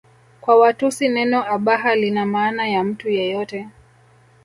Kwa Watusi neno Abaha lina maana ya mtu yeyote